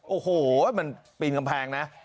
โอ้โหมันปีนกำแพงนะ